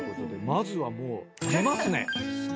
まずはもう寝ますね。